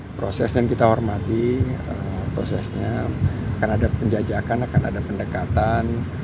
proses dan kita hormati prosesnya akan ada penjajakan akan ada pendekatan